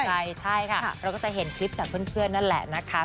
ใช่ค่ะเราก็จะเห็นคลิปจากเพื่อนนั่นแหละนะคะ